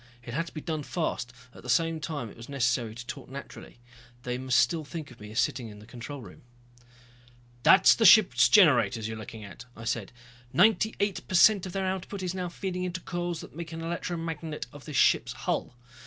It had to be done fast, at the same time it was necessary to talk naturally. They must still think of me as sitting in the control room. "That's the ship's generators you're looking at," I said. "Ninety eight per cent of their output is now feeding into coils that make an electromagnet of this ship's hull.